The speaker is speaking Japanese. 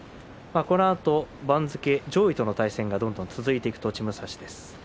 番付上位との対戦がどんどん続いていく栃武蔵です。